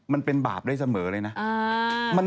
มันเป็นบาปได้เสมอเลยนะ